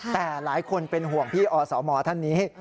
แต่หลายคนเป็นห่วงพี่อสมท่านนี้